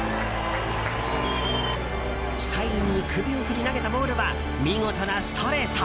サインに首を振り投げたボールは見事なストレート！